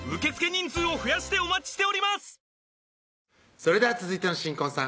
それでは続いての新婚さん